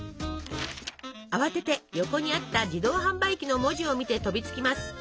慌てて横にあった「自動はんばい機」の文字を見て飛びつきます！